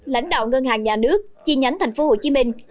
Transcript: lãnh đạo ngân hàng nhà nước chi nhánh thành phố hồ chí minh